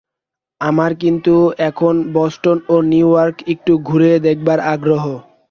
আমার কিন্তু এখন বষ্টন ও নিউ ইয়র্ক একটু ঘুরে দেখবার আগ্রহ।